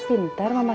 dengar dasah main